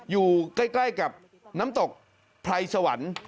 อยู่ใกล้กับน้ำตกไพรสวรรค์